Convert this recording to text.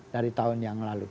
dari tahun yang lalu